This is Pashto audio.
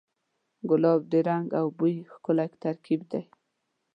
ګلاب د رنګ او بوی ښکلی ترکیب دی.